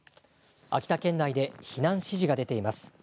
秋田県内で避難指示が出ています。